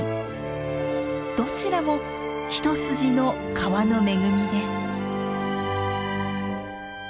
どちらも一筋の川の恵みです。